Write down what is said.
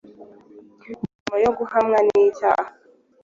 nyuma yo guhamwa n’icyaha